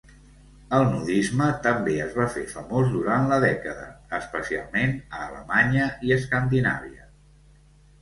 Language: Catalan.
El nudisme també es va fer famós durant la dècada, especialment a Alemanya i Escandinàvia.